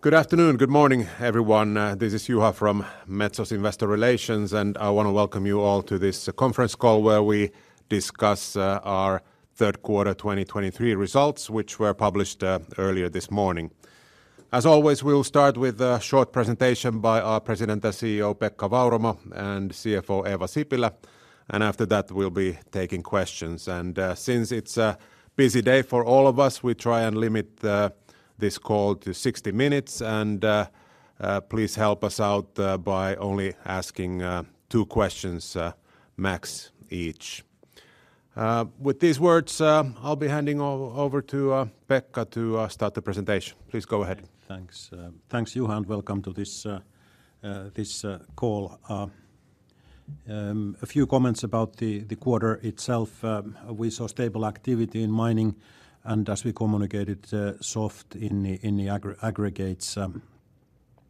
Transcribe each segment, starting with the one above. Good afternoon, good morning, everyone. This is Juha from Metso's Investor Relations, and I wanna welcome you all to this conference call, where we discuss our third quarter 2023 results, which were published earlier this morning. As always, we'll start with a short presentation by our President and CEO, Pekka Vauramo, and CFO, Eeva Sipilä, and after that, we'll be taking questions. Since it's a busy day for all of us, we try and limit this call to 60 minutes, and please help us out by only asking 2 questions max each. With these words, I'll be handing over to Pekka to start the presentation. Please go ahead. Thanks. Thanks, Juha, and welcome to this call. A few comments about the quarter itself. We saw stable activity in mining, and as we communicated, soft in the Aggregates.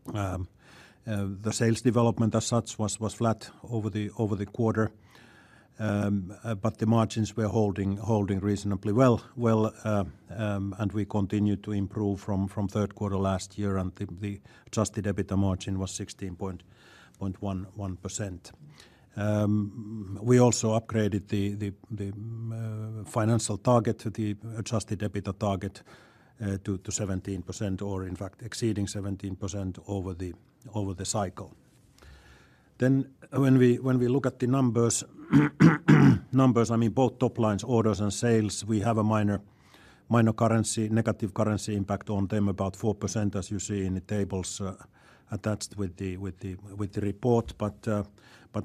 The sales development as such was flat over the quarter. But the margins were holding reasonably well. Well, and we continued to improve from third quarter last year, and the adjusted EBITDA margin was 16.1%. We also upgraded the financial target to the adjusted EBITDA target to 17%, or in fact, exceeding 17% over the cycle. When we look at the numbers, I mean, both top lines, orders, and sales, we have a minor negative currency impact on them, about 4%, as you see in the tables attached with the report.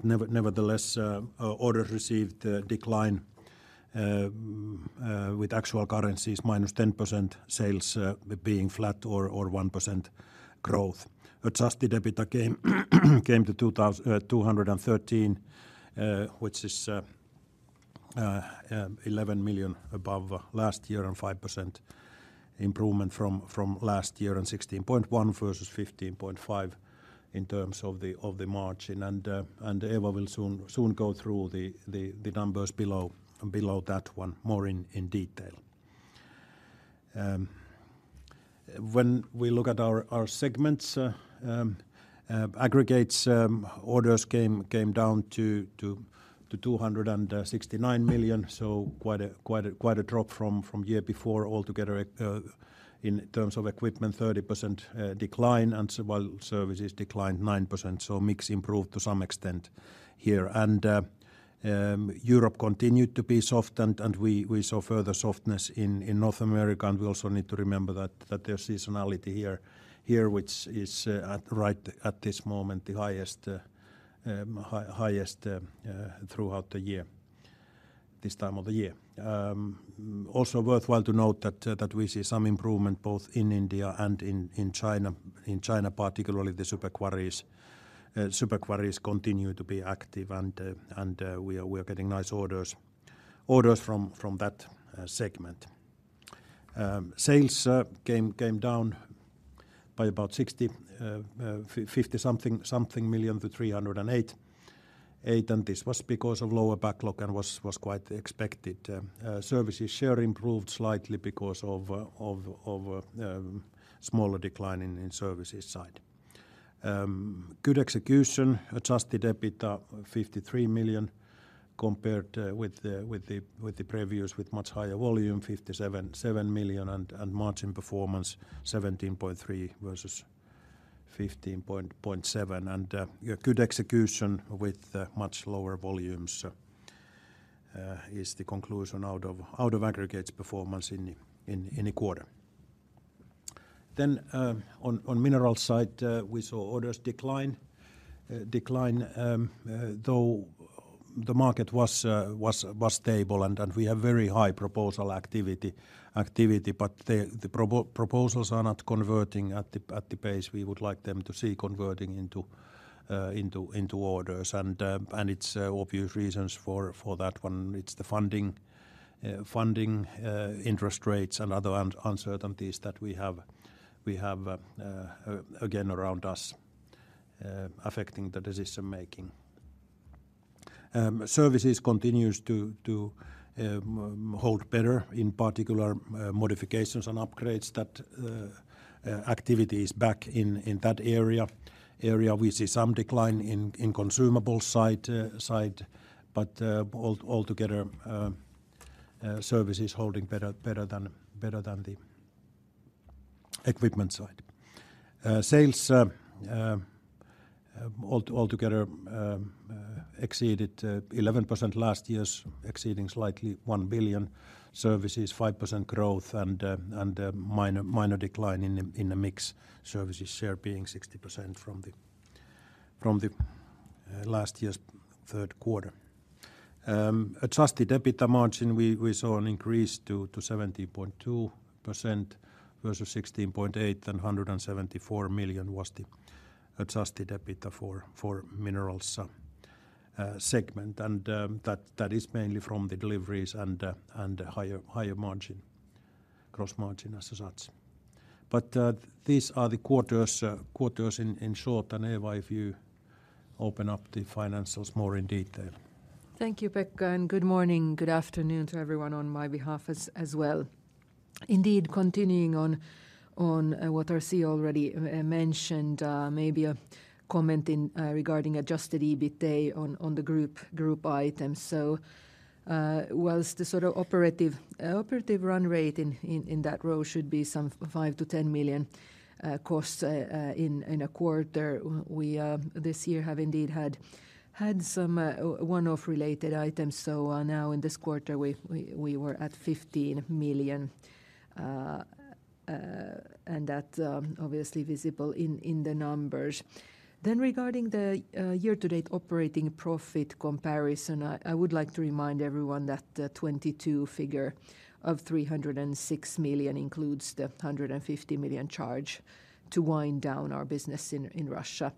Nevertheless, orders received decline with actual currencies -10%, sales being flat or 1% growth. Adjusted EBITDA came to 2,213 million, which is 11 million above last year and 5% improvement from last year, and 16.1% versus 15.5% in terms of the margin. Eeva will soon go through the numbers below that one more in detail. When we look at our segments, Aggregates orders came down to 269 million, so quite a drop from year before altogether, in terms of equipment, 30% decline, and while Services declined 9%. So mix improved to some extent here. Europe continued to be soft, and we saw further softness in North America, and we also need to remember that there's seasonality here, which is right at this moment, the highest throughout the year, this time of the year. Also worthwhile to note that we see some improvement both in India and in China. In China, particularly, the super quarries continue to be active and we are getting nice orders from that segment. Sales came down by about 50-something million to 308 million, and this was because of lower backlog and was quite expected. Services share improved slightly because of smaller decline in Services side. Good execution, adjusted EBITDA 53 million, compared with the previous, with much higher volume, 57 million, and margin performance 17.3% versus 15.7%. Good execution with much lower volumes is the conclusion out of Aggregates performance in the quarter. Then, on Minerals side, we saw orders decline, though the market was stable, and we have very high proposal activity, but the proposals are not converting at the pace we would like them to see converting into orders. And it's obvious reasons for that one. It's the funding, interest rates and other uncertainties that we have again around us affecting the decision-making. Services continues to hold better, in particular modifications and upgrades that activity is back in that area. We see some decline in consumable side, but altogether service is holding better than the equipment side. Sales, altogether, exceeded 11% last year's, exceeding slightly 1 billion. Services, 5% growth and a minor decline in the mix. Services share being 60% from the last year's third quarter. Adjusted EBITDA margin, we saw an increase to 17.2% versus 16.8%, and 174 million was the adjusted EBITDA for Minerals segment. And that is mainly from the deliveries and higher margin, gross margin as such. But these are the quarters in short, and Eeva, if you open up the financials more in detail. Thank you, Pekka, and good morning, good afternoon to everyone on my behalf as well. Indeed, continuing on what our CEO already mentioned, maybe a comment regarding adjusted EBITDA on the group items. So, while the sort of operative run rate in that row should be some 5 million-10 million cost in a quarter, we this year have indeed had some one-off related items. So, now in this quarter, we were at 15 million, and that obviously visible in the numbers. Then regarding the year-to-date operating profit comparison, I would like to remind everyone that the 2022 figure of 306 million includes the 150 million charge to wind down our business in Russia.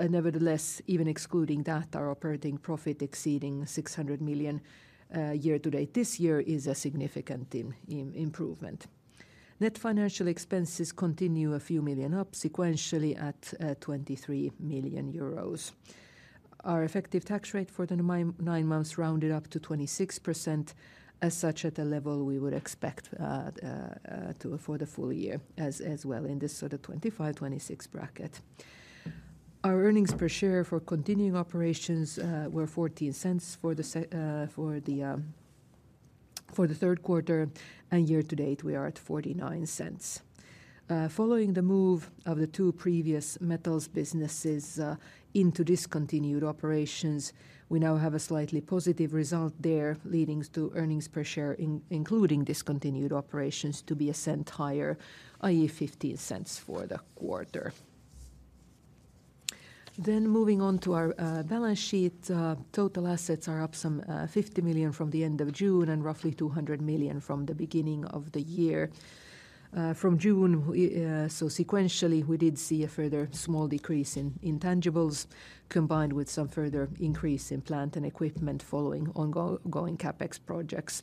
Nevertheless, even excluding that, our operating profit exceeding 600 million year to date this year is a significant improvement. Net financial expenses continue a few million up sequentially at 23 million euros. Our effective tax rate for the nine months rounded up to 26%, as such at a level we would expect to afford a full year as well in this sort of 25%-26% bracket. Our earnings per share for continuing operations were 0.14 for the third quarter, and year to date, we are at 0.49. Following the move of the two previous metals businesses into discontinued operations, we now have a slightly positive result there, leading to earnings per share, including discontinued operations, to be EUR 0.01 higher, i.e., 0.15 for the quarter. Then moving on to our balance sheet, total assets are up some 50 million from the end of June and roughly 200 million from the beginning of the year. From June, so sequentially, we did see a further small decrease in intangibles, combined with some further increase in plant and equipment following ongoing CapEx projects.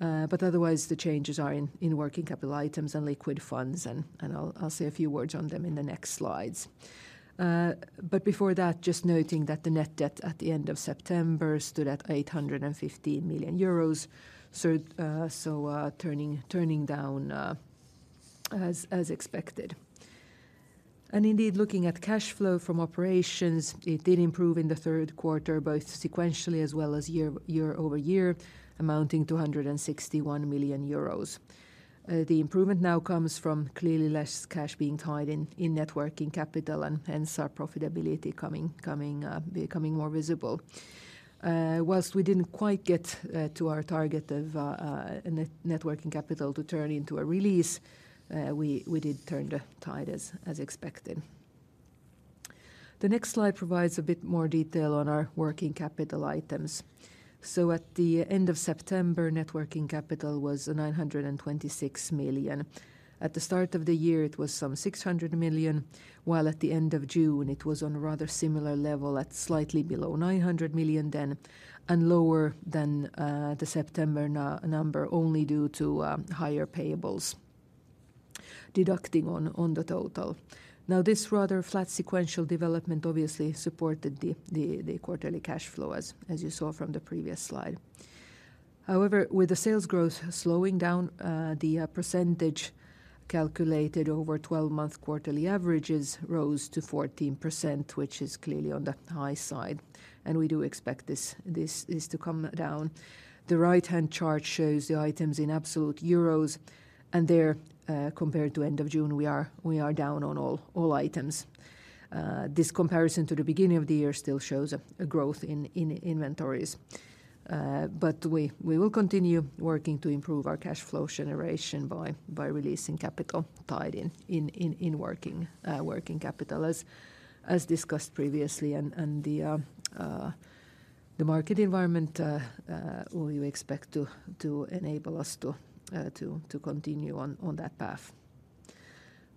But otherwise, the changes are in working capital items and liquid funds, and I'll say a few words on them in the next slides. But before that, just noting that the net debt at the end of September stood at 815 million euros, so turning down as expected. Indeed, looking at cash flow from operations, it did improve in the third quarter, both sequentially as well as year over year, amounting to 161 million euros. The improvement now comes from clearly less cash being tied in net working capital, and hence our profitability becoming more visible. While we didn't quite get to our target of net working capital to turn into a release, we did turn the tide as expected. The next slide provides a bit more detail on our working capital items. So at the end of September, net working capital was 926 million. At the start of the year, it was some 600 million, while at the end of June, it was on a rather similar level at slightly below 900 million then, and lower than the September number, only due to higher payables deducting on the total. Now, this rather flat sequential development obviously supported the quarterly cash flow, as you saw from the previous slide. However, with the sales growth slowing down, the percentage calculated over twelve-month quarterly averages rose to 14%, which is clearly on the high side, and we do expect this to come down. The right-hand chart shows the items in absolute euros, and there, compared to end of June, we are down on all items. This comparison to the beginning of the year still shows a growth in inventories. But we will continue working to improve our cash flow generation by releasing capital tied in working capital, as discussed previously, and the market environment will you expect to enable us to continue on that path.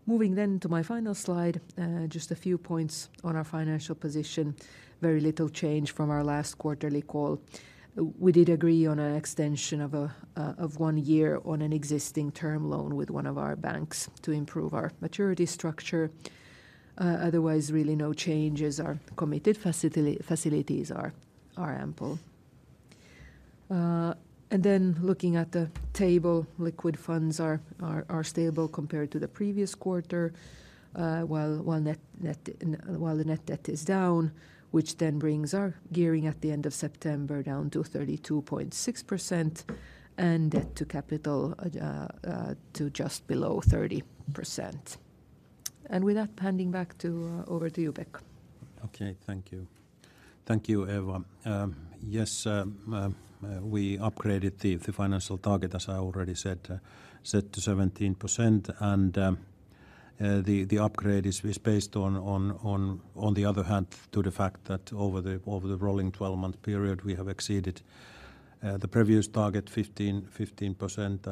Moving then to my final slide, just a few points on our financial position. Very little change from our last quarterly call. We did agree on an extension of 1 year on an existing term loan with one of our banks to improve our maturity structure. Otherwise, really no changes. Our committed facilities are ample. And then looking at the table, liquid funds are stable compared to the previous quarter, while the net debt is down, which then brings our gearing at the end of September down to 32.6% and debt to capital to just below 30%. And with that, handing back over to you, Pek. Okay, thank you. Thank you, Eva. Yes, we upgraded the financial target, as I already said, set to 17%, and the upgrade is based on the other hand, to the fact that over the 12-month period, we have exceeded the previous target, 15%, 15%,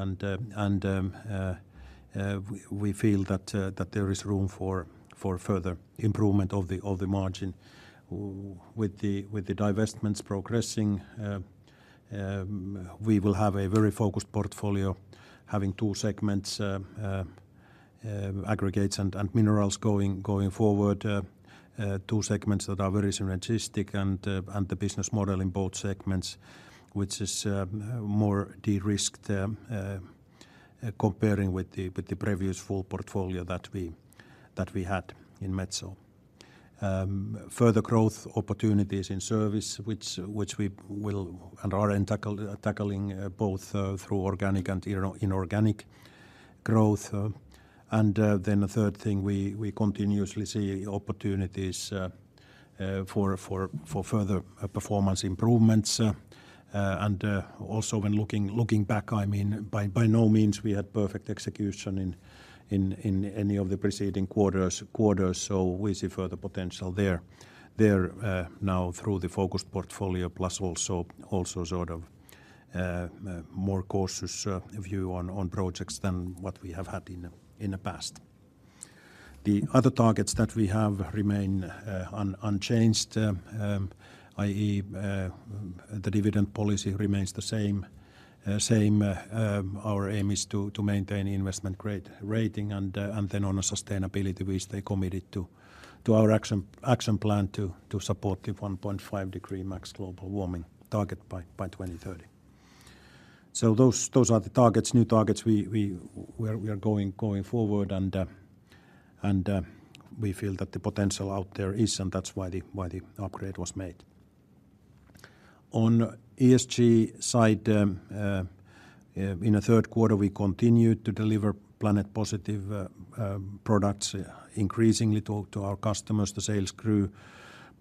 and we feel that there is room for further improvement of the margin. With the divestments progressing, we will have a very focused portfolio, having two segments, Aggregates and Minerals going forward. Two segments that are very synergistic and the business model in both segments, which is more de-risked, comparing with the previous full portfolio that we had in Metso. Further growth opportunities in service, which we will and are tackling both through organic and inorganic growth. And then the third thing, we continuously see opportunities for further performance improvements. Also when looking back, I mean, by no means we had perfect execution in any of the preceding quarters, so we see further potential there now through the focused portfolio, plus also sort of more cautious view on projects than what we have had in the past. The other targets that we have remain unchanged. i.e., the dividend policy remains the same, same. Our aim is to maintain Investment Grade Rating, and then on sustainability, we stay committed to our action plan to support the 1.5 degree max global warming target by 2030. So those are the targets, new targets we are going forward, and, we feel that the potential out there is, and that's why the upgrade was made. On ESG side, in the third quarter, we continued to deliver Planet Positive products increasingly to our customers. The sales grew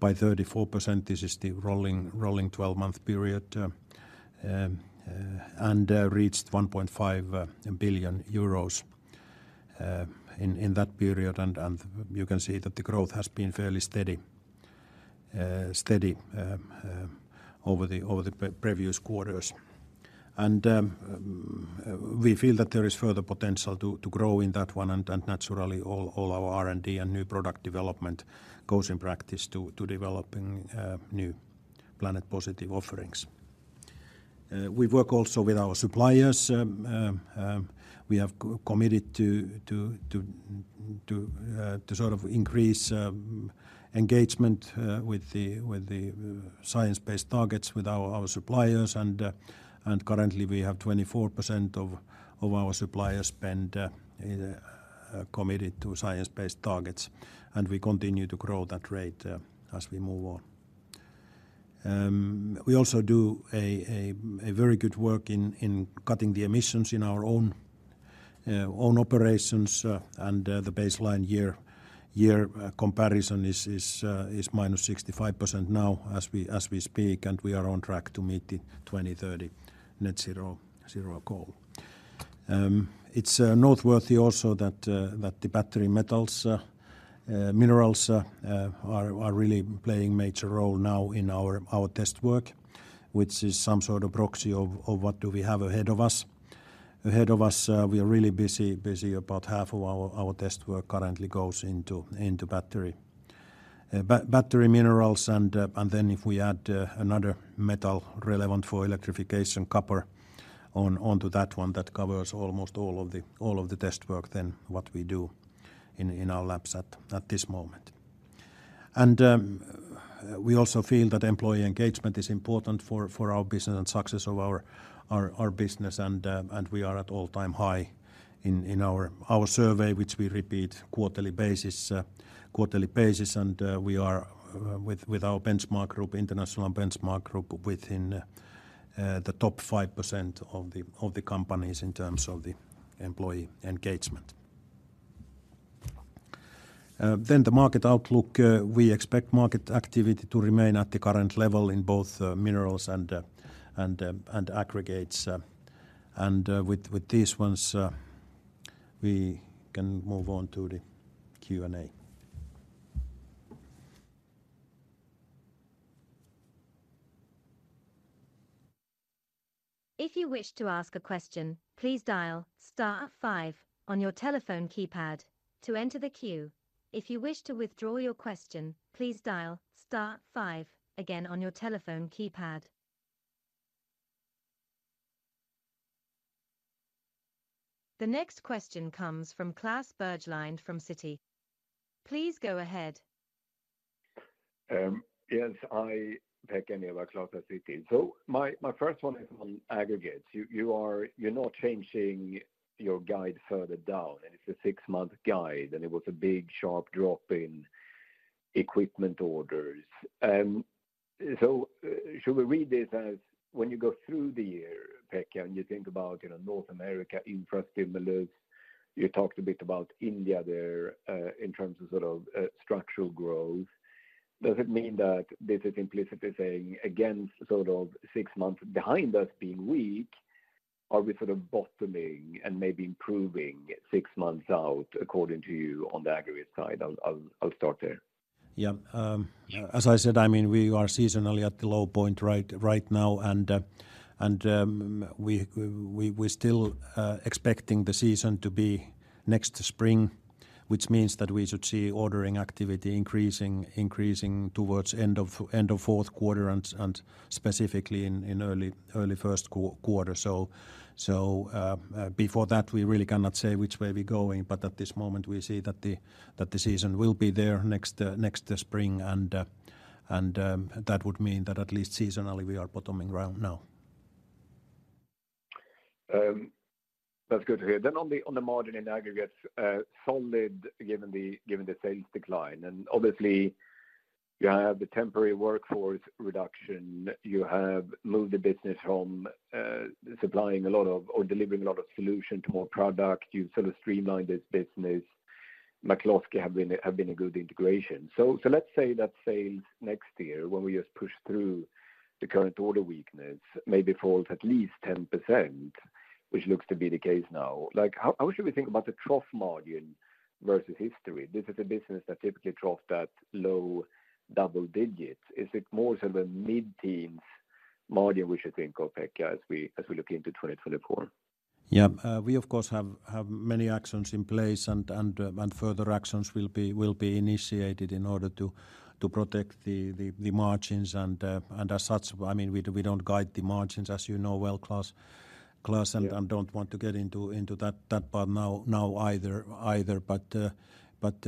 by 34%. This is the rolling twelve-month period and reached 1.5 billion euros in that period, and you can see that the growth has been fairly steady over the previous quarters. We feel that there is further potential to grow in that one, and naturally, all our R&D and new product development goes in practice to developing new Planet Positive offerings. We work also with our suppliers. We have co-committed to sort of increase engagement with the Science Based Targets with our suppliers, and currently we have 24% of our supplier spend committed to Science Based Targets, and we continue to grow that rate as we move on. We also do a very good work in cutting the emissions in our own operations, and the baseline year comparison is minus 65% now as we speak, and we are on track to meet the 2030 net zero goal. It's noteworthy also that the battery metals Minerals are really playing major role now in our test work, which is some sort of proxy of what do we have ahead of us. Ahead of us, we are really busy. About half of our test work currently goes into battery Minerals, and then if we add another metal relevant for electrification, copper, onto that one, that covers almost all of the test work than what we do in our labs at this moment. We also feel that employee engagement is important for our business and success of our business, and we are at all-time high in our survey, which we repeat quarterly basis, and we are with our benchmark group, international benchmark group, within the top 5% of the companies in terms of the employee engagement. Then the market outlook, we expect market activity to remain at the current level in both Minerals and Aggregates. With these ones, we can move on to the Q&A. If you wish to ask a question, please dial star five on your telephone keypad to enter the queue. If you wish to withdraw your question, please dial star five again on your telephone keypad. The next question comes from Klas Bergelind from Citi. Please go ahead. Yes, hi, Pekka, Klas at Citi. So my first one is on Aggregates. You're not changing your guide further down, and it's a six-month guide, and it was a big, sharp drop in equipment orders. So should we read this as when you go through the year, Pekka, and you think about, you know, North America infra stimulus, you talked a bit about India there, in terms of sort of, structural growth. Does it mean that this is implicitly saying, again, sort of six months behind us being weak, are we sort of bottoming and maybe improving six months out, according to you, on the aggregate side? I'll start there. Yeah. As I said, I mean, we are seasonally at the low point right now, and we still expecting the season to be next spring, which means that we should see ordering activity increasing towards end of fourth quarter and specifically in early first quarter. So, before that, we really cannot say which way we're going, but at this moment, we see that the season will be there next spring, and that would mean that at least seasonally, we are bottoming around now. That's good to hear. Then on the margin in Aggregates, solid, given the sales decline, and obviously, you have the temporary workforce reduction, you have moved the business from supplying a lot of or delivering a lot of solution to more product. You've sort of streamlined this business. McCloskey have been a good integration. So let's say that sales next year, when we just push through the current order weakness, maybe falls at least 10%, which looks to be the case now. Like, how should we think about the trough margin versus history? This is a business that typically trough that low double digits. Is it more sort of a mid-teens margin we should think of, Pekka, as we look into 2024? Yeah. We, of course, have many actions in place and further actions will be initiated in order to protect the margins and as such, I mean, we don't guide the margins, as you know well, Klas. Yeah. And don't want to get into that part now either. But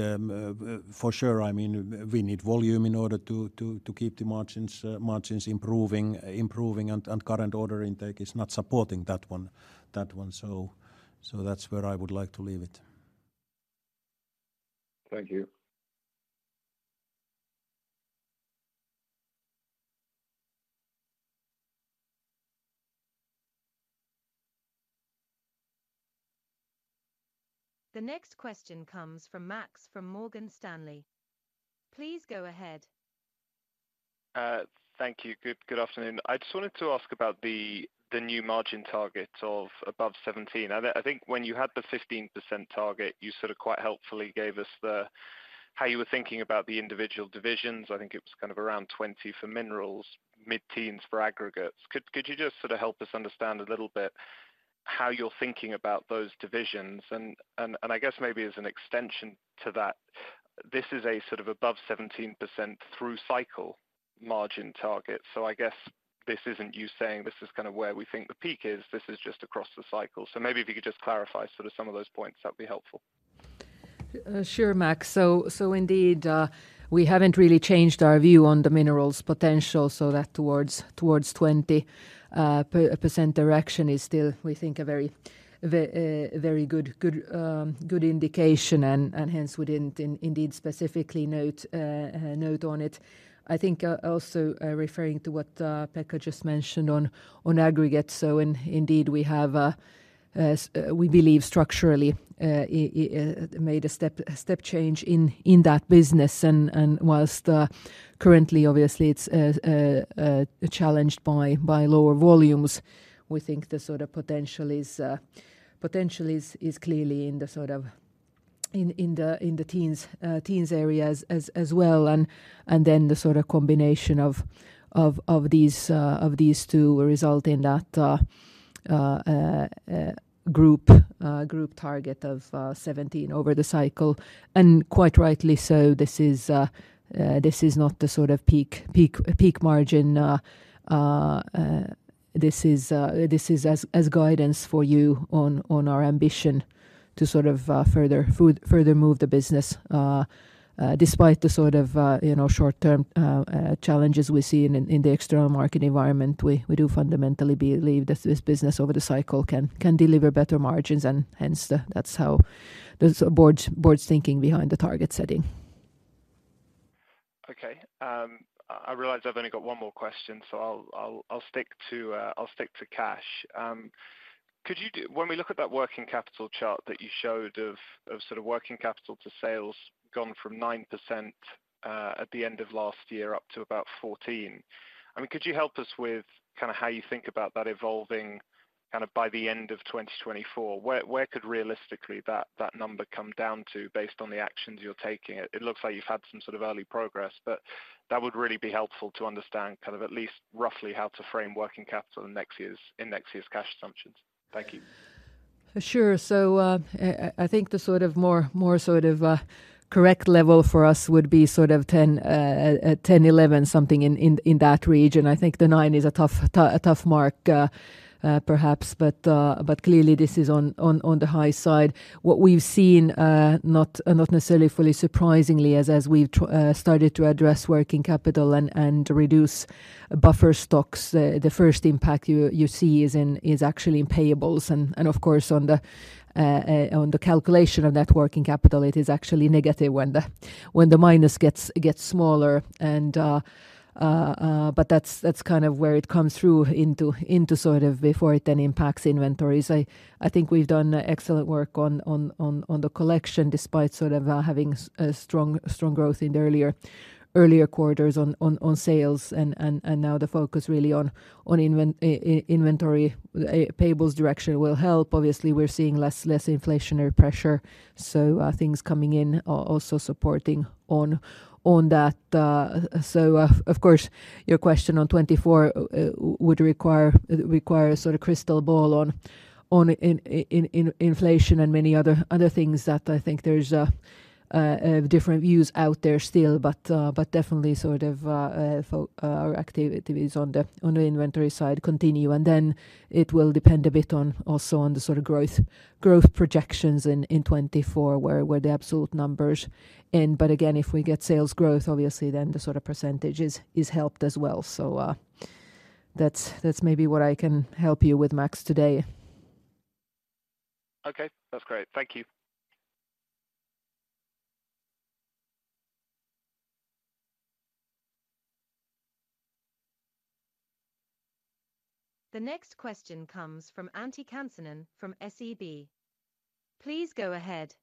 for sure, I mean, we need volume in order to keep the margins improving, and current order intake is not supporting that one. So that's where I would like to leave it. Thank you. The next question comes from Max, from Morgan Stanley. Please go ahead. Thank you. Good afternoon. I just wanted to ask about the new margin target of above 17%. I think when you had the 15% target, you sort of quite helpfully gave us the, how you were thinking about the individual divisions. I think it was kind of around 20% for Minerals, mid-teens for Aggregates. Could you just sort of help us understand a little bit how you're thinking about those divisions? And I guess maybe as an extension to that, this is a sort of above 17% through-cycle margin target. So I guess this isn't you saying, "This is kind of where we think the peak is," this is just across the cycle. So maybe if you could just clarify sort of some of those points, that'd be helpful. Sure, Max. Indeed, we haven't really changed our view on the Minerals potential, so that towards 20% direction is still, we think, a very, very good indication, and hence, we didn't indeed specifically note on it. I think, also, referring to what Pekka just mentioned on aggregate, we believe structurally, I made a step change in that business. Whilst currently, obviously, it's challenged by lower volumes, we think the sort of potential is clearly in the teens areas as well. The sort of combination of these two will result in that group target of 17% over the cycle, and quite rightly so. This is not the sort of peak, peak, peak margin. This is as guidance for you on our ambition to sort of further move the business. Despite the sort of, you know, short-term challenges we see in the external market environment, we do fundamentally believe that this business, over the cycle, can deliver better margins, and hence, that's how the board's thinking behind the target setting. Okay. I realize I've only got one more question, so I'll, I'll, I'll stick to, I'll stick to cash. Could you do—when we look at that working capital chart that you showed of, of sort of working capital to sales, gone from 9%, at the end of last year, up to about 14%. I mean, could you help us with kind of how you think about that evolving, kind of by the end of 2024? Where, where could realistically that, that number come down to based on the actions you're taking? It looks like you've had some sort of early progress, but that would really be helpful to understand, kind of at least roughly, how to frame working capital in next year's cash assumptions. Thank you. For sure. So, I think the sort of more sort of correct level for us would be sort of 10%-11%, something in that region. I think the 9% is a tough mark, perhaps, but clearly this is on the high side. What we've seen, not necessarily fully surprisingly, as we've started to address working capital and reduce buffer stocks, the first impact you see is actually in payables. Of course, on the calculation of Net Working Capital, it is actually negative when the minus gets smaller. But that's kind of where it comes through into sort of before it then impacts inventories. I think we've done excellent work on the collection, despite sort of having a strong growth in the earlier quarters on sales and now the focus really on inventory, payables direction will help. Obviously, we're seeing less inflationary pressure, so things coming in are also supporting on that. So, of course, your question on 2024 would require a sort of crystal ball on inflation and many other things that I think there's different views out there still. But, but definitely sort of for our activities on the inventory side continue, and then it will depend a bit on also on the sort of growth projections in 2024, where the absolute numbers in. But again, if we get sales growth, obviously then the sort of percentage is helped as well. So, that's maybe what I can help you with, Max, today. Okay, that's great. Thank you. The next question comes from Antti Kansanen from SEB. Please go ahead.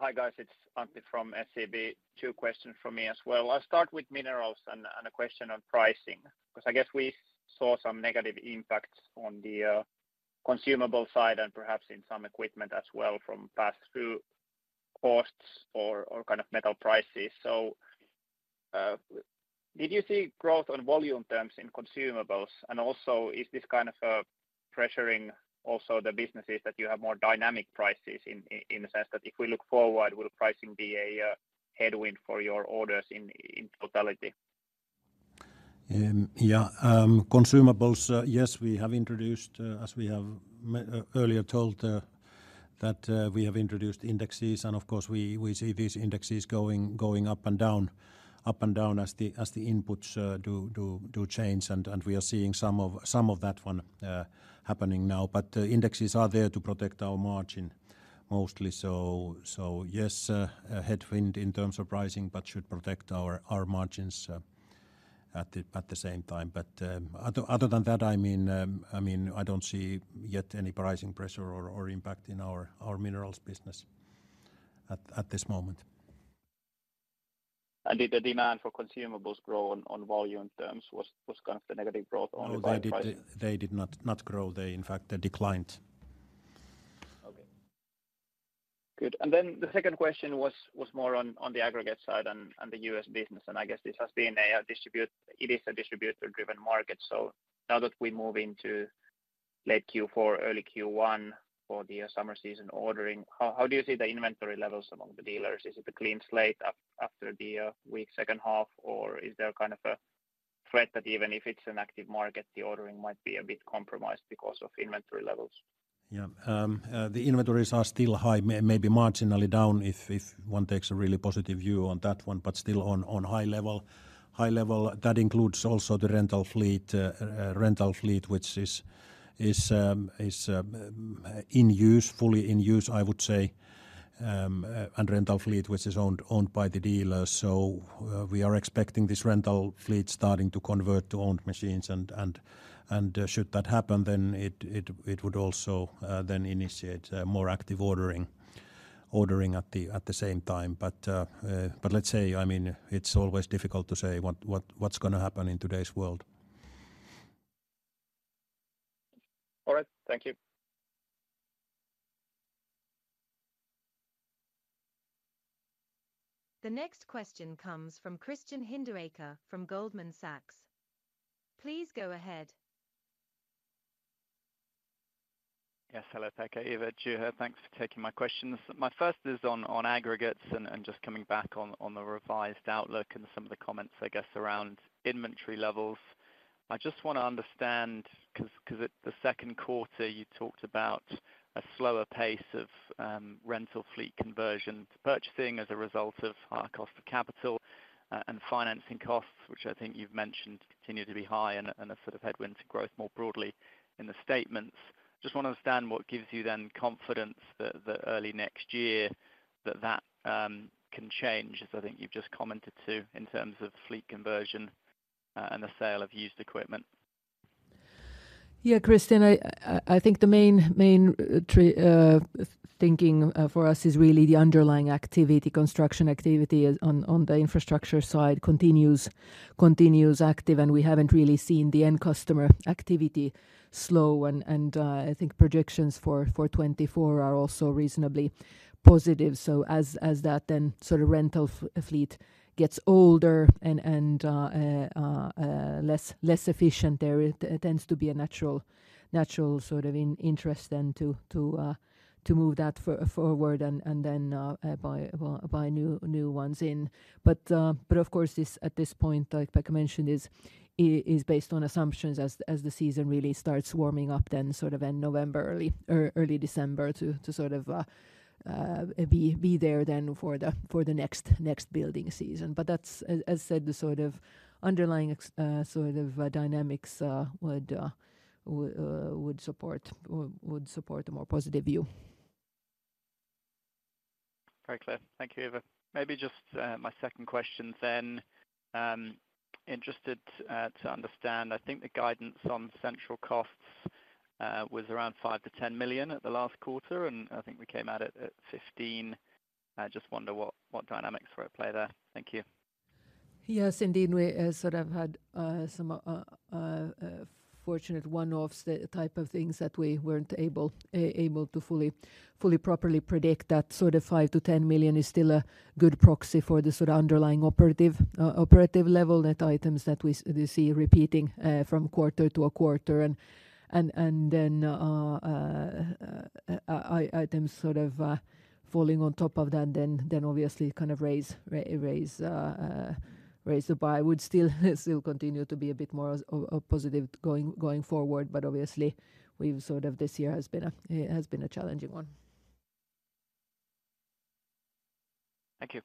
Hi, guys, it's Antti from SEB. Two questions from me as well. I'll start with Minerals and a question on pricing, because I guess we saw some negative impacts on the consumable side and perhaps in some equipment as well from pass-through costs or kind of metal prices. So, did you see growth on volume terms in consumables? And also, is this kind of pressuring also the businesses that you have more dynamic prices in, in the sense that if we look forward, will pricing be a headwind for your orders in totality? Yeah, consumables, yes, we have introduced, as we have earlier told, that we have introduced indexes, and of course, we see these indexes going up and down, up and down as the inputs do change. And we are seeing some of that one happening now. But indexes are there to protect our margin mostly, so yes, a headwind in terms of pricing but should protect our margins at the same time. But other than that, I mean, I mean, I don't see yet any pricing pressure or impact in our Minerals business at this moment. Did the demand for consumables grow on volume terms? Was kind of the negative growth only by pricing? No, they did not grow. In fact, they declined. Okay. Good. And then the second question was more on the aggregate side and the U.S. business, and I guess this has been a distributor-driven market. So now that we move into late Q4, early Q1 for the summer season ordering, how do you see the inventory levels among the dealers? Is it a clean slate after the weak second half, or is there kind of a threat that even if it's an active market, the ordering might be a bit compromised because of inventory levels? Yeah. The inventories are still high, maybe marginally down if one takes a really positive view on that one, but still on high level. High level, that includes also the rental fleet, rental fleet, which is in use, fully in use, I would say, and rental fleet, which is owned by the dealers. So, we are expecting this rental fleet starting to convert to owned machines, and should that happen, then it would also then initiate more active ordering at the same time. But let's say, I mean, it's always difficult to say what's gonna happen in today's world. All right. Thank you. The next question comes from Christian Hinderaker from Goldman Sachs. Please go ahead. Yes, hello, Pekka, Eeva, Juha. Thanks for taking my questions. My first is on Aggregates and just coming back on the revised outlook and some of the comments, I guess, around inventory levels. I just want to understand, 'cause at the second quarter, you talked about a slower pace of rental fleet conversion to purchasing as a result of higher cost of capital and financing costs, which I think you've mentioned continue to be high and a sort of headwind to growth more broadly in the statements. Just want to understand what gives you then confidence that early next year that can change, as I think you've just commented to, in terms of fleet conversion and the sale of used equipment. Yeah, Christian, I think the main thinking for us is really the underlying activity. Construction activity on the infrastructure side continues active, and we haven't really seen the end customer activity slow. And I think projections for 2024 are also reasonably positive. So as that then sort of rental fleet gets older and less efficient, there it tends to be a natural sort of interest then to move that forward and then buy new ones in. But of course, this at this point, like Pekka mentioned, is based on assumptions as the season really starts warming up, then sort of in November, early or early December to sort of be there then for the next building season. But that's, as said, the sort of underlying ex- sort of dynamics would support a more positive view. Very clear. Thank you, Eeva. Maybe just my second question then. Interested to understand, I think the guidance on central costs was around 5-10 million at the last quarter, and I think we came at it at 15 million. I just wonder what, what dynamics were at play there. Thank you. Yes, indeed, we sort of had some fortunate one-offs, the type of things that we weren't able to fully properly predict. That sort of 5 million-10 million is still a good proxy for the sort of underlying operative level that items that we see repeating from quarter to a quarter. And then items sort of falling on top of that, then obviously kind of raise the bar. Would still continue to be a bit more of positive going forward, but obviously we've sort of this year has been a, it has been a challenging one. Thank you.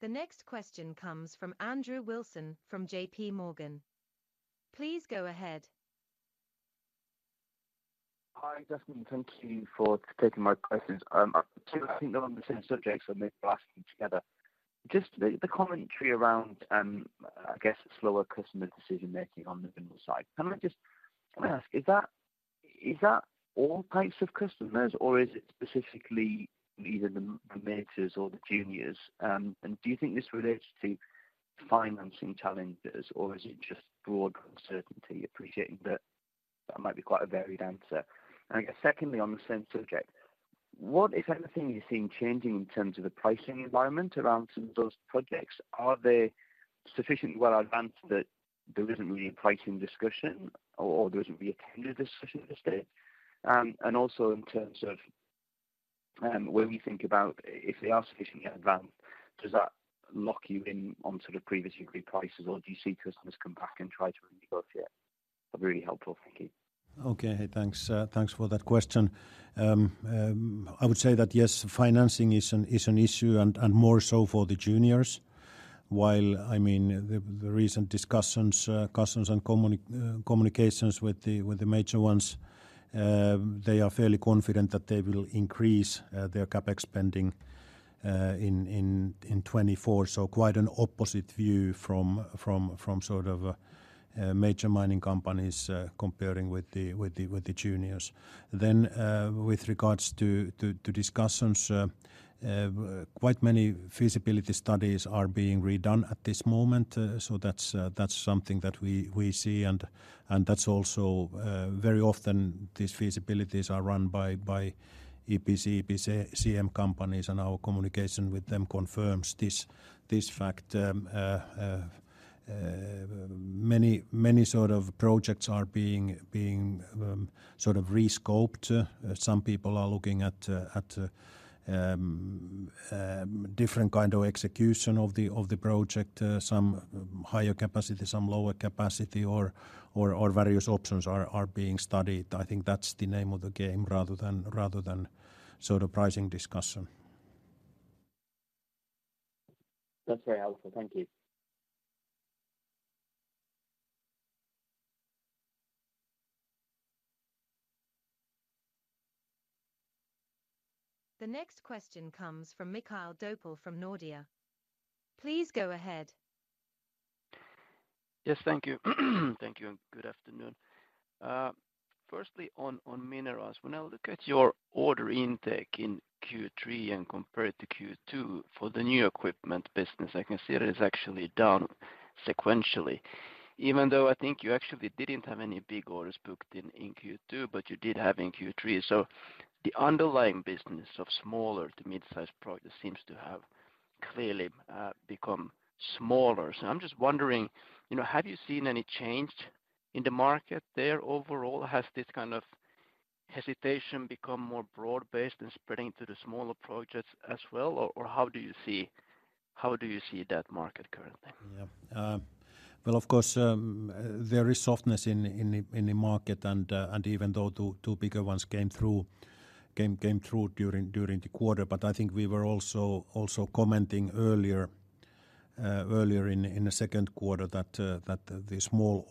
The next question comes from Andrew Wilson from JPMorgan. Please go ahead. Hi, Gentlemen. Thank you for taking my questions. Two, I think, they're on the same subject, so maybe ask them together. Just the commentary around, I guess, slower customer decision-making on the Minerals side. Can I ask, is that all types of customers, or is it specifically either the majors or the juniors? And do you think this relates to financing challenges, or is it just broad uncertainty? Appreciating that might be quite a varied answer. And I guess secondly, on the same subject, what, if anything, you're seeing changing in terms of the pricing environment around some of those projects? Are they sufficiently well advanced that there isn't really a pricing discussion or there isn't a tender discussion at this stage? And also in terms of when we think about if they are sufficiently advanced, does that lock you in onto the previously agreed prices, or do you see customers come back and try to renegotiate? That'd be really helpful. Thank you. Okay, thanks. Thanks for that question. I would say that, yes, financing is an issue and more so for the juniors. While, I mean, the recent discussions and communications with the major ones, they are fairly confident that they will increase their CapEx spending in 2024. So quite an opposite view from sort of major mining companies comparing with the juniors. Then, with regards to discussions, quite many feasibility studies are being redone at this moment. So that's something that we see, and that's also very often these feasibilities are run by EPC, EPCm companies, and our communication with them confirms this fact. Many, many sort of projects are being sort of re-scoped. Some people are looking at different kind of execution of the project, some higher capacity, some lower capacity, or various options are being studied. I think that's the name of the game, rather than sort of pricing discussion. That's very helpful. Thank you. The next question comes from Mikael Doepel from Nordea. Please go ahead. Yes, thank you. Thank you and good afternoon. Firstly, on, on Minerals, when I look at your order intake in Q3 and compare it to Q2 for the new equipment business, I can see that it is actually down sequentially, even though I think you actually didn't have any big orders booked in, in Q2, but you did have in Q3. So the underlying business of smaller to mid-sized projects seems to have clearly become smaller. So I'm just wondering, you know, have you seen any change in the market there overall? Has this kind of hesitation become more broad-based and spreading to the smaller projects as well? Or, or how do you see, how do you see that market currently? Yeah. Well, of course, there is softness in the market and even though two bigger ones came through during the quarter. But I think we were also commenting earlier in the second quarter that the small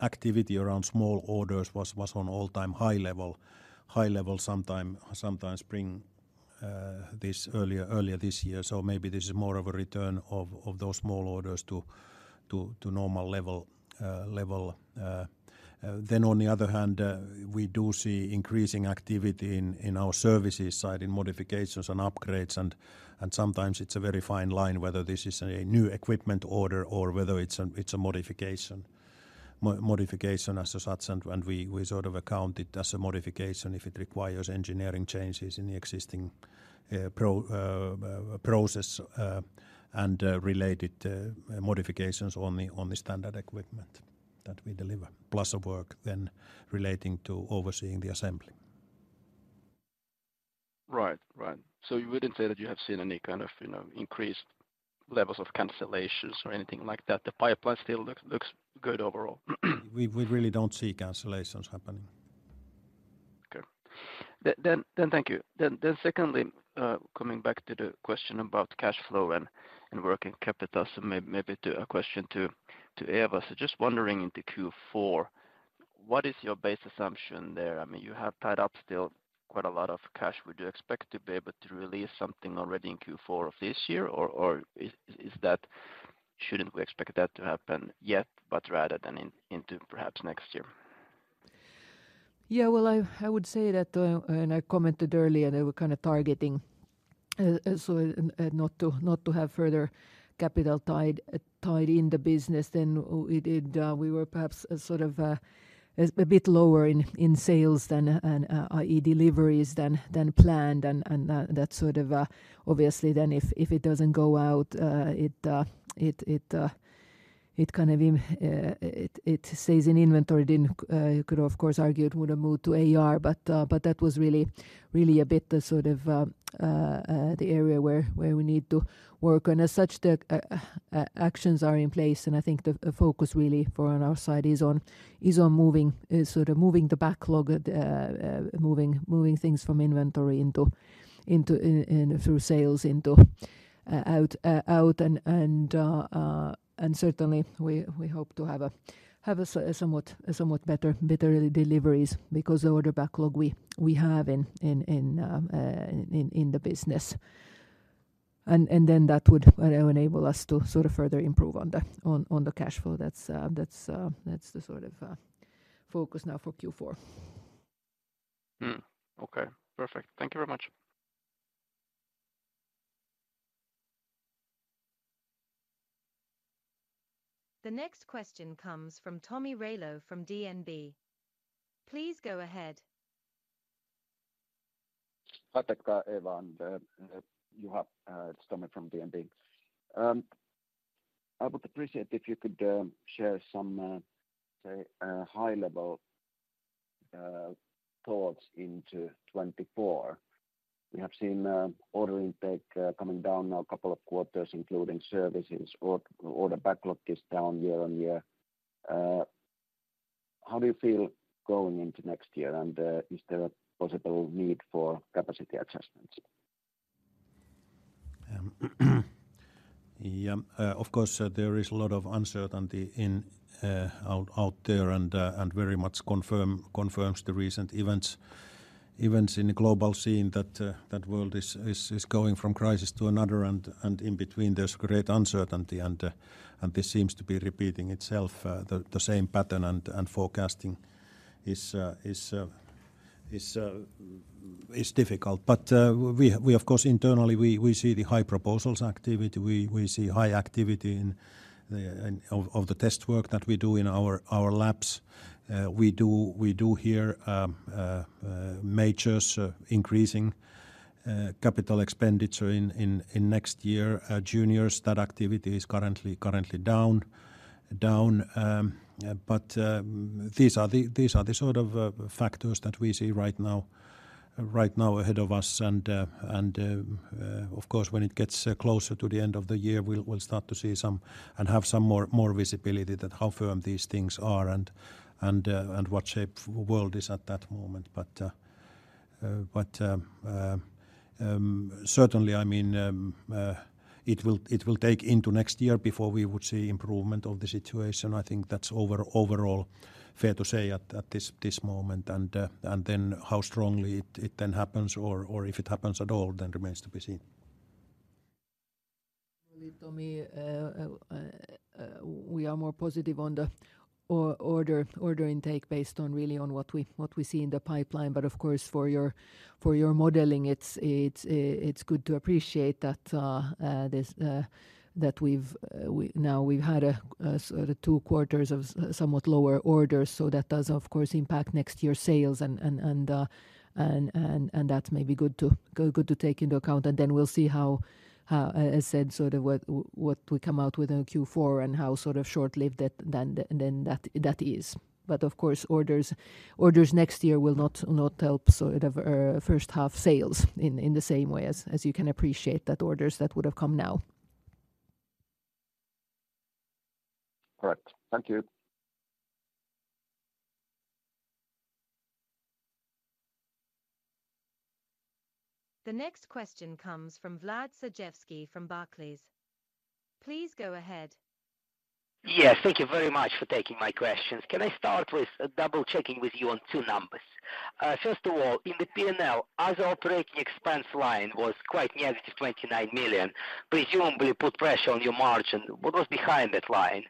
activity around small orders was on all-time high level sometime this spring earlier this year. So maybe this is more of a return of those small orders to normal level. Then on the other hand, we do see increasing activity in our Services side, in modifications and upgrades, and sometimes it's a very fine line whether this is a new equipment order or whether it's a modification as such. When we, we sort of account it as a modification if it requires engineering changes in the existing process and related modifications on the standard equipment that we deliver, plus a work then relating to overseeing the assembly. Right. Right. So you wouldn't say that you have seen any kind of, you know, increased levels of cancellations or anything like that? The pipeline still looks, looks good overall. We really don't see cancellations happening. Okay. Thank you. Secondly, coming back to the question about cash flow and working capital, so maybe a question to Eeva. So just wondering, into Q4, what is your base assumption there? I mean, you have tied up still quite a lot of cash. Would you expect to be able to release something already in Q4 of this year, or is that-- Shouldn't we expect that to happen yet, but rather into perhaps next year? Yeah, well, I would say that, and I commented earlier, they were kind of targeting, so and, not to have further capital tied in the business, then it... We were perhaps sort of a bit lower in sales than, and IE deliveries than planned. And that sort of obviously then if it doesn't go out, it stays in inventory, then you could of course argue it would have moved to AR. But that was really a bit the sort of the area where we need to work on. As such, the actions are in place, and I think the focus really for on our side is on moving, sort of moving the backlog, moving things from inventory into, in through sales, out. And certainly, we hope to have a somewhat better deliveries because the order backlog we have in the business. And then that would enable us to sort of further improve on the cash flow. That's the sort of focus now for Q4. Okay. Perfect. Thank you very much. The next question comes from Tomi Railo from DNB. Please go ahead. Hi, Pekka, Eeva, and Juha. It's Tomi from DNB. I would appreciate if you could share some say high-level thoughts into 2024. We have seen order intake coming down now a couple of quarters, including Services. Order backlog is down year-over-year. How do you feel going into next year, and is there a possible need for capacity adjustments? Yeah, of course, there is a lot of uncertainty out there, and very much confirms the recent events in the global scene that world is going from crisis to another, and in between, there's great uncertainty, and this seems to be repeating itself, the same pattern and forecasting is difficult. But we of course internally see the high proposals activity. We see high activity in the test work that we do in our labs. We do hear majors increasing capital expenditure in next year. Juniors, that activity is currently down. These are the sort of factors that we see right now ahead of us. Of course, when it gets closer to the end of the year, we'll start to see some and have some more visibility that how firm these things are and what shape world is at that moment. Certainly, I mean, it will take into next year before we would see improvement of the situation. I think that's overall fair to say at this moment, and then how strongly it then happens or if it happens at all then remains to be seen. Only, Tomi, we are more positive on the order intake based on really on what we see in the pipeline. But of course, for your modeling, it's good to appreciate that we've had a sort of two quarters of somewhat lower orders, so that does, of course, impact next year's sales and that's maybe good to take into account. And then we'll see how, as said, sort of what we come out with in Q4 and how sort of short-lived that then is. But of course, orders next year will not help sort of first half sales in the same way as you can appreciate that orders that would have come now. All right. Thank you. The next question comes from Vlad Sergievskiy from Barclays. Please go ahead. Yes, thank you very much for taking my questions. Can I start with double-checking with you on two numbers? First of all, in the P&L, other operating expense line was quite negative, 29 million, presumably put pressure on your margin. What was behind that line?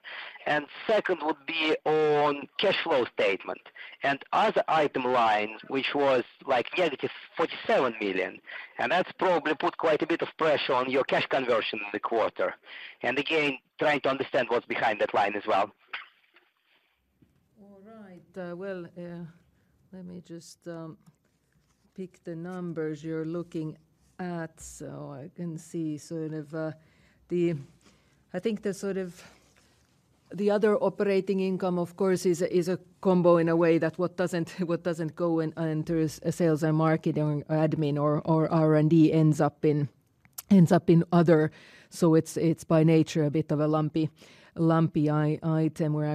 And second would be on cash flow statement and other item lines, which was like negative 47 million, and that's probably put quite a bit of pressure on your cash conversion in the quarter. And again, trying to understand what's behind that line as well. All right. Well, let me just pick the numbers you're looking at, so I can see sort of the... I think the sort of the other operating income, of course, is a combo in a way that what doesn't go into sales and marketing or admin or R&D ends up in other. So it's by nature a bit of a lumpy item. We're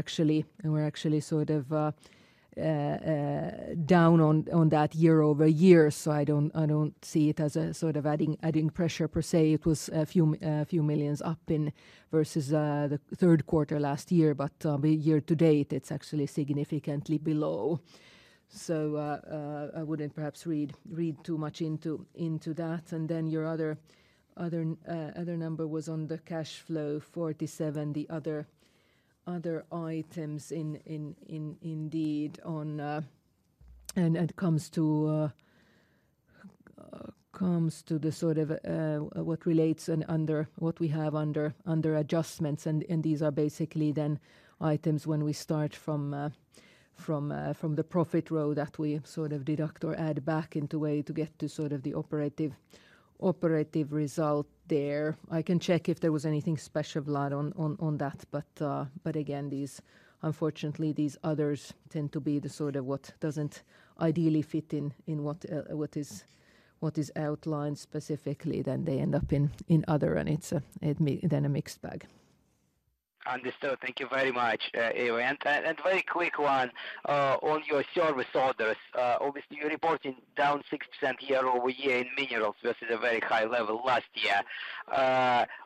actually sort of down on that year-over-year, so I don't see it as a sort of adding pressure per se. It was a few million up versus the third quarter last year, but year to date, it's actually significantly below. So, I wouldn't perhaps read too much into that. And then your other number was on the cash flow, 47 million. The other items, indeed, on. And it comes to the sort of what we have under adjustments, and these are basically then items when we start from the profit row that we sort of deduct or add back into way to get to sort of the operative result there. I can check if there was anything special a lot on that, but, but again, these, unfortunately, these others tend to be the sort of what doesn't ideally fit in what is outlined specifically, then they end up in other, and it's it then a mixed bag. Understood. Thank you very much, Eva. And, and very quick one, on your service orders. Obviously, you're reporting down 60% year-over-year in Minerals versus a very high level last year.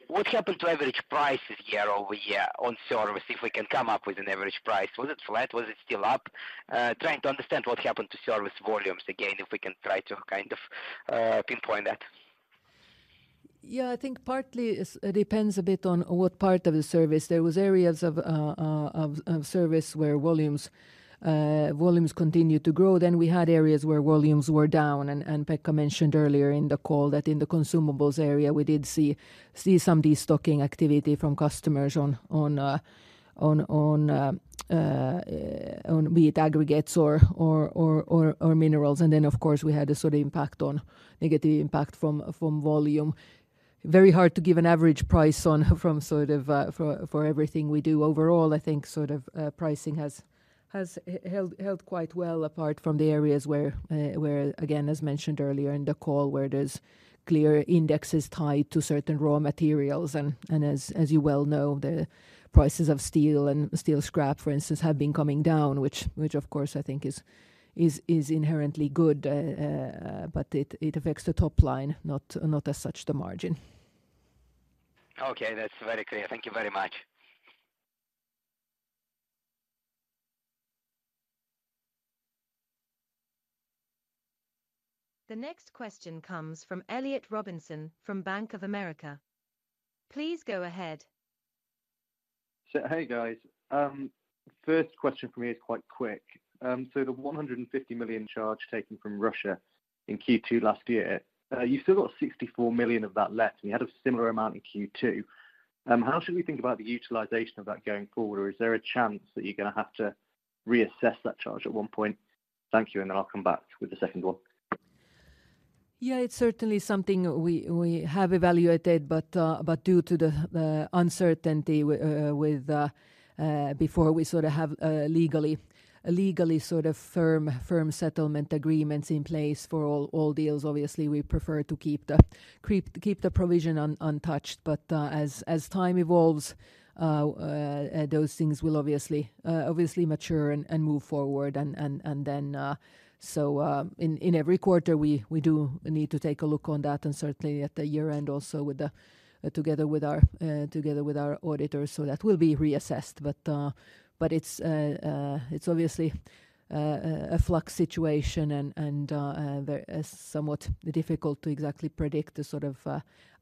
What happened to average prices year-over-year on service? If we can come up with an average price. Was it flat? Was it still up? Trying to understand what happened to service volumes again, if we can try to kind of pinpoint that. Yeah, I think partly is, depends a bit on what part of the service. There was areas of service where volumes continued to grow. Then we had areas where volumes were down, and Pekka mentioned earlier in the call that in the consumables area, we did see some destocking activity from customers on be it Aggregates or Minerals. And then, of course, we had a sort of negative impact from volume. Very hard to give an average price on, from sort of, for everything we do. Overall, I think sort of pricing has held quite well, apart from the areas where again, as mentioned earlier in the call, where there's clear indexes tied to certain raw materials, and as you well know, the prices of steel and steel scrap, for instance, have been coming down, which of course I think is inherently good, but it affects the top line, not as such, the margin. Okay, that's very clear. Thank you very much. The next question comes from Elliott Robinson, from Bank of America. Please go ahead. So hey, guys. First question for me is quite quick. So the 150 million charge taken from Russia in Q2 last year, you've still got 64 million of that left, and you had a similar amount in Q2. How should we think about the utilization of that going forward? Or is there a chance that you're gonna have to reassess that charge at one point? Thank you, and then I'll come back with the second one. Yeah, it's certainly something we have evaluated, but due to the uncertainty with, before we sort of have a legally, a legally sort of firm settlement agreements in place for all deals, obviously, we prefer to keep the provision untouched. As time evolves, those things will obviously mature and move forward and then, in every quarter, we do need to take a look on that, and certainly at the year-end also together with our auditors. That will be reassessed. But, but it's obviously a flux situation and, and the somewhat difficult to exactly predict the sort of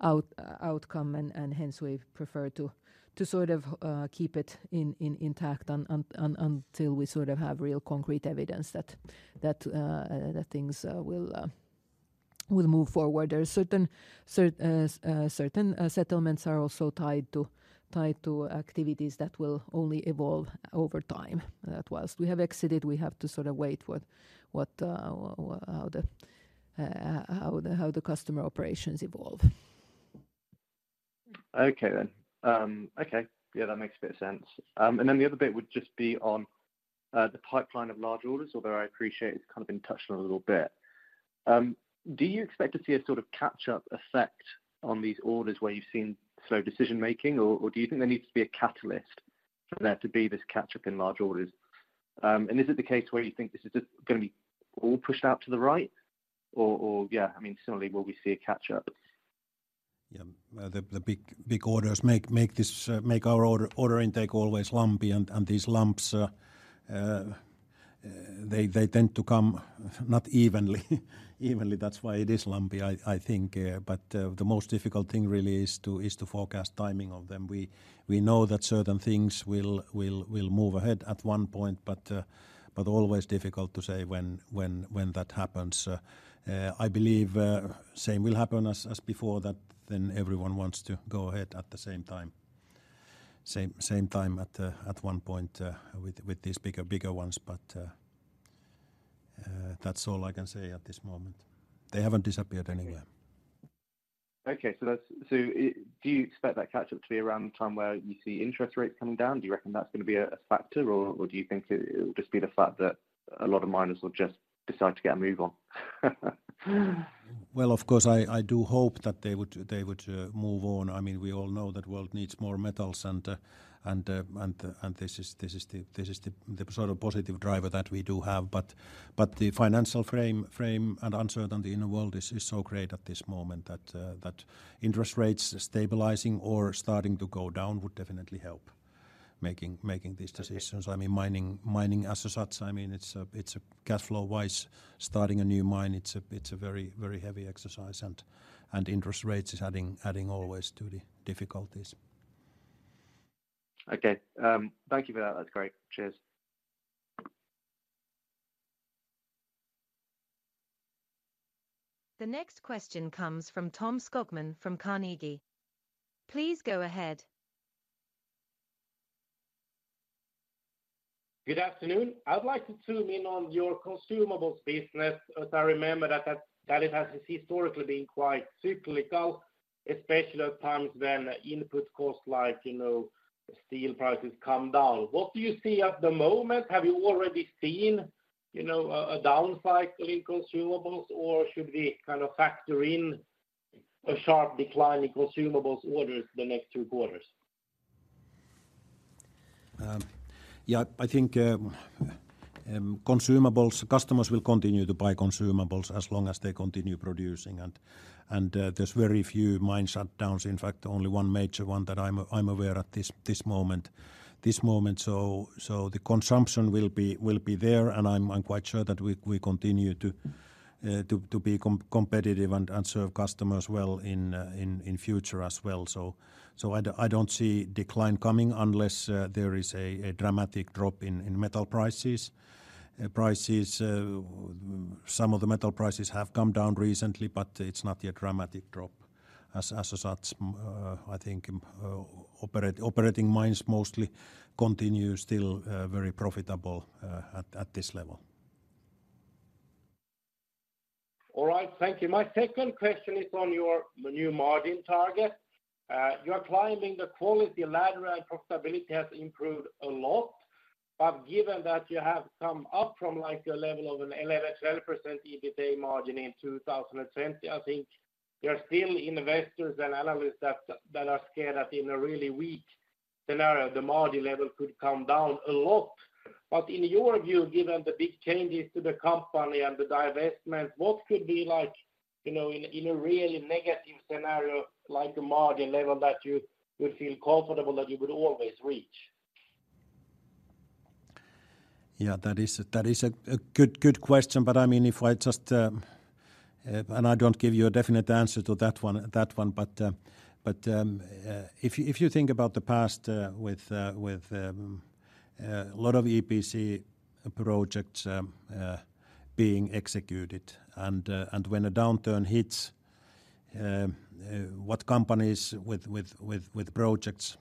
outcome, and hence we've preferred to sort of keep it intact until we sort of have real concrete evidence that that things will move forward. There are certain settlements are also tied to activities that will only evolve over time. That whilst we have exited, we have to sort of wait what how the customer operations evolve. Okay, then. Okay. Yeah, that makes a bit of sense. And then the other bit would just be on the pipeline of large orders, although I appreciate it's kind of been touched on a little bit. Do you expect to see a sort of catch-up effect on these orders where you've seen slow decision-making? Or, or do you think there needs to be a catalyst for there to be this catch-up in large orders? And is it the case where you think this is just gonna be all pushed out to the right, or, or, yeah, I mean, certainly, will we see a catch-up? Yeah. The big orders make our order intake always lumpy, and these lumps they tend to come not evenly. That's why it is lumpy, I think. But the most difficult thing really is to forecast timing of them. We know that certain things will move ahead at one point, but always difficult to say when that happens. I believe same will happen as before, that then everyone wants to go ahead at the same time at one point with these bigger ones. But that's all I can say at this moment. They haven't disappeared anywhere. So, do you expect that catch-up to be around the time where you see interest rates coming down? Do you reckon that's gonna be a factor, or do you think it will just be the fact that a lot of miners will just decide to get a move on? Well, of course, I do hope that they would move on. I mean, we all know that the world needs more metals and this is the sort of positive driver that we do have. But the financial frame and uncertainty in the world is so great at this moment that interest rates stabilizing or starting to go down would definitely help making these decisions. I mean, mining as such, I mean, it's a cash flow-wise, starting a new mine, it's a very heavy exercise, and interest rates is adding always to the difficulties. Okay. Thank you for that. That's great. Cheers! The next question comes from Tom Skogman from Carnegie. Please go ahead. Good afternoon. I would like to tune in on your consumables business, as I remember that it has historically been quite cyclical, especially at times when input costs, like, you know, steel prices come down. What do you see at the moment? Have you already seen, you know, a down cycle in consumables, or should we kind of factor in a sharp decline in consumables orders the next two quarters? Yeah, I think customers will continue to buy consumables as long as they continue producing, and there's very few mine shutdowns. In fact, only one major one that I'm aware at this moment. The consumption will be there, and I'm quite sure that we continue to be competitive and serve customers well in future as well. I don't see decline coming unless there is a dramatic drop in metal prices. Some of the metal prices have come down recently, but it's not a dramatic drop. As such, I think operating mines mostly continue still very profitable at this level. All right. Thank you. My second question is on your new margin target. You're climbing the quality ladder, and profitability has improved a lot. But given that you have come up from, like, a level of an 11%-12% EBITDA margin in 2020, I think there are still investors and analysts that, that are scared that in a really weak scenario, the margin level could come down a lot. But in your view, given the big changes to the company and the divestment, what could be like, you know, in a, in a really negative scenario, like a margin level, that you would feel comfortable that you would always reach? Yeah, that is a good question, but I mean, I don't give you a definite answer to that one. But if you think about the past, with a lot of EPC projects being executed, and when a downturn hits, what companies with projects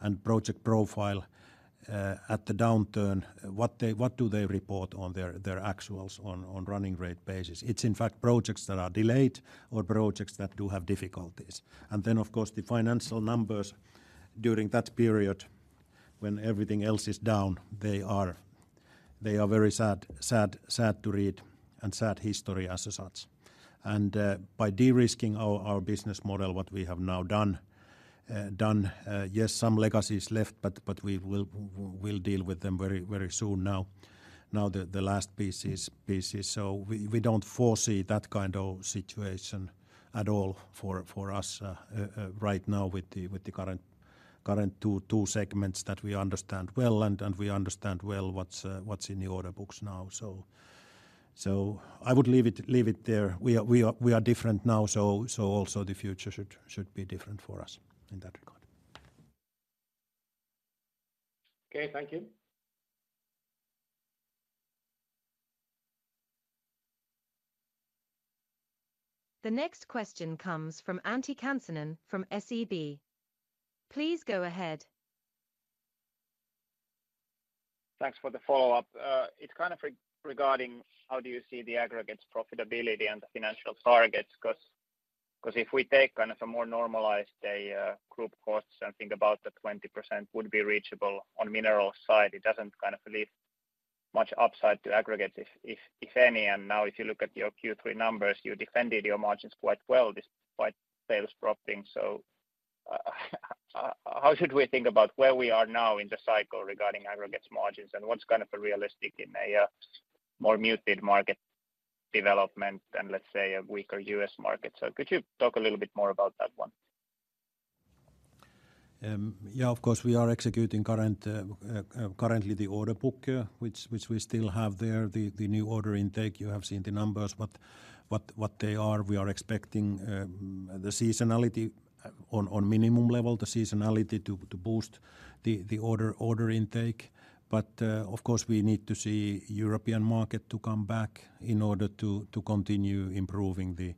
and project profile at the downturn, what do they report on their actuals on running rate basis? It's in fact projects that are delayed or projects that do have difficulties. And then, of course, the financial numbers during that period, when everything else is down, they are very sad to read and sad history as such. By de-risking our business model, what we have now done, yes, some legacy is left, but we will, we'll deal with them very, very soon now. The last piece is, pieces... We don't foresee that kind of situation at all for us right now with the current, current two segments that we understand well, and we understand well what's in the order books now. I would leave it there. We are, we are, we are different now, so also the future should be different for us in that regard. Okay. Thank you. The next question comes from Antti Kansanen from SEB. Please go ahead. Thanks for the follow-up. It's kind of regarding how do you see the Aggregates profitability and the financial targets? 'Cause, 'cause if we take kind of a more normalized group costs and think about the 20% would be reachable on Minerals side, it doesn't kind of leave much upside to aggregate, if, if, if any. And now if you look at your Q3 numbers, you defended your margins quite well, despite sales dropping. So, how should we think about where we are now in the cycle regarding Aggregates margins, and what's kind of a realistic in a more muted market development than, let's say, a weaker U.S. market? So could you talk a little bit more about that one? Yeah, of course, we are executing currently the order book, which we still have there. The new order intake, you have seen the numbers, but what they are, we are expecting the seasonality on minimum level, the seasonality to boost the order intake. But, of course, we need to see European market to come back in order to continue improving the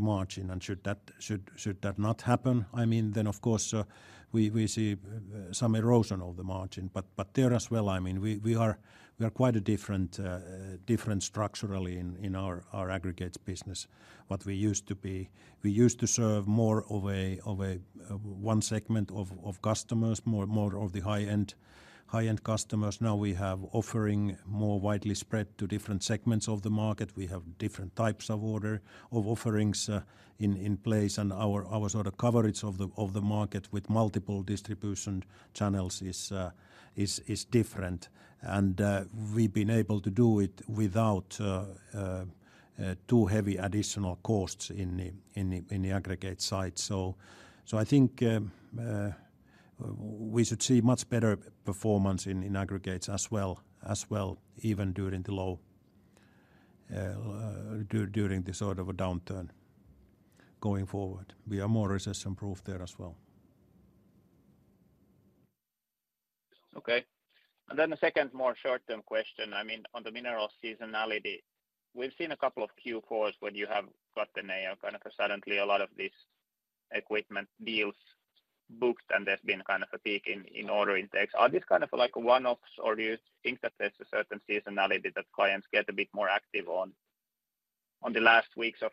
margin. And should that not happen, I mean, then, of course, we see some erosion of the margin. But there as well, I mean, we are quite different structurally in our Aggregates business. What we used to be, we used to serve more of a one segment of customers, more of the high-end customers. Now we have offering more widely spread to different segments of the market. We have different types of offerings in place, and our sort of coverage of the market with multiple distribution channels is different. And we've been able to do it without too heavy additional costs in the aggregate side. So I think we should see much better performance in Aggregates as well, even during this sort of a downturn going forward. We are more recession-proof there as well. Okay. And then the second, more short-term question, I mean, on the Minerals seasonality, we've seen a couple of Q4s when you have got the nail, kind of suddenly a lot of these equipment deals booked, and there's been kind of a peak in order intakes. Are these kind of like one-offs, or do you think that there's a certain seasonality that clients get a bit more active on the last weeks of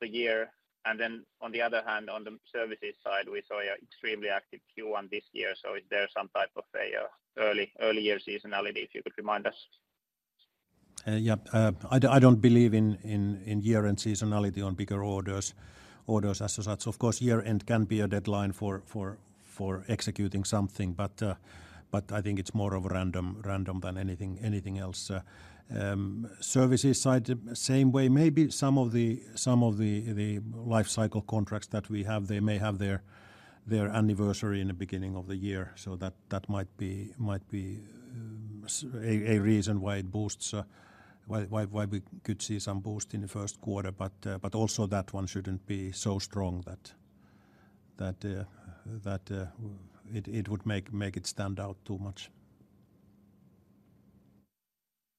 the year? And then on the other hand, on the Services side, we saw an extremely active Q1 this year. So is there some type of a early year seasonality, if you could remind us? Yeah. I don't believe in year-end seasonality on bigger orders as such. Of course, year-end can be a deadline for executing something, but I think it's more of random than anything else. Services side, same way. Maybe some of the Life Cycle contracts that we have, they may have their anniversary in the beginning of the year, so that might be a reason why it boosts. Why we could see some boost in the first quarter. But also that one shouldn't be so strong that it would make it stand out too much.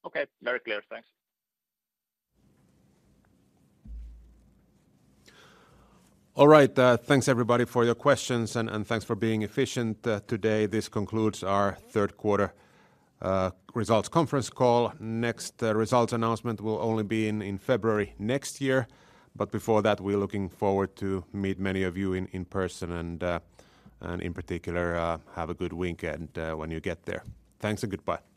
Okay. Very clear. Thanks. All right, thanks, everybody, for your questions, and, and thanks for being efficient, today. This concludes our third quarter results conference call. Next, the results announcement will only be in February next year, but before that, we're looking forward to meet many of you in person and, and in particular, have a good weekend, when you get there. Thanks and goodbye.